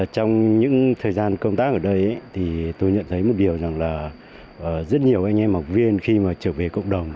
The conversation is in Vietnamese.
trong những thời gian công tác ở đây thì tôi nhận thấy một điều rằng là rất nhiều anh em học viên khi mà trở về cộng đồng